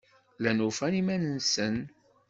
Llan ufan iman-nsen.